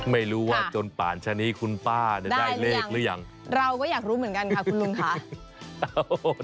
ไม่รู้ว่าจนป่านชะนี้คุณป้าเนี่ยได้เลขหรือยังเราก็อยากรู้เหมือนกันค่ะคุณลุงค่ะ